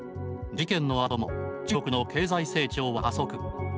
事件のあとも中国の経済成長は加速。